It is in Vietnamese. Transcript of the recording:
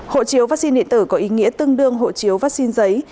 hộ chiếu vaccine điện tử có ý nghĩa tương đương hộ chiếu vaccine giấy